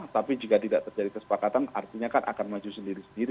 tapi jika tidak terjadi kesepakatan artinya kan akan maju sendiri sendiri